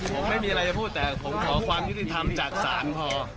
ผมไม่มีอะไรจะพูดแต่ผมขอความยุติธรรมจากศาลพอ